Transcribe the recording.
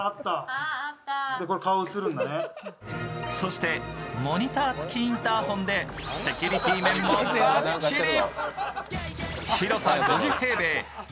そしてモニター付きインターフォンでセキュリティー面もバッチリ。